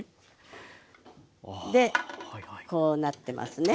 でこうなってますね。